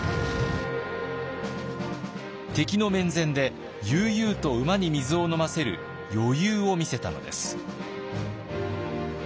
敵の面前で悠々と馬に水を飲ませる余裕を見せたのです。